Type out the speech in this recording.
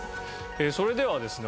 それではですね